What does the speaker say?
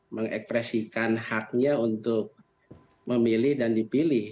mengekspresikan haknya untuk memilih dan dipilih